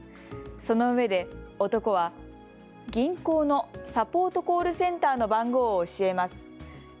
そのうえで男は銀行のサポートコールセンターの番号を教えます。